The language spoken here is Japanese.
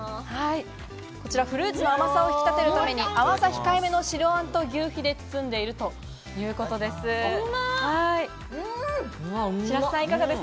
フルーツの甘さを引き立てるため甘さ控え目の白あんと求肥で包んでいるということです。